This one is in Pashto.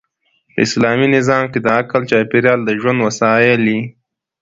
په اسلامي نظام کښي د عقل چاپېریال د ژوند وسایل يي.